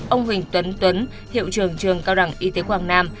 ông huỳnh tuấn tuấn hiệu trưởng trường cao đẳng y tế quảng nam